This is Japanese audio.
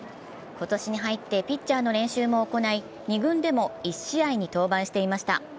今年に入ってピッチャーの練習も行い２軍でも１試合に登板していました。